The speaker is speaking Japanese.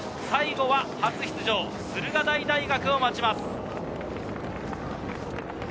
最後は初出場の駿河台大学を待ちます。